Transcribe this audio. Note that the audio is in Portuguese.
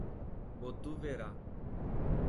Botuverá